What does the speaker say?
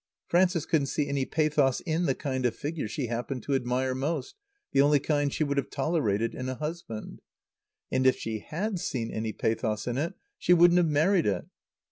Frances couldn't see any pathos in the kind of figure she happened to admire most, the only kind she would have tolerated in a husband. And if she had seen any pathos in it she wouldn't have married it.